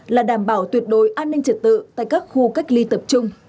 là đảm bảo tuyệt đối an ninh trật tự tại các khu cách ly tập trung